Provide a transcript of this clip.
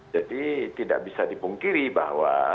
jadi tidak bisa dipungkiri bahwa